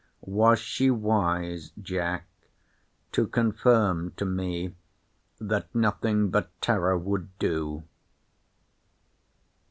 —Was she wise, Jack, to confirm to me, that nothing but terror would do?